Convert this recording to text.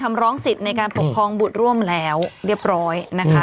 เขาเหล่าสิทธิ์ในการต่อคองบุตรร่วมแล้วเรียบร้อยนะคะ